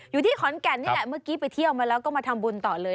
อยู่ที่ขอนแก่นนี่แหละเมื่อกี้ไปเที่ยวมาแล้วก็มาทำบุญต่อเลย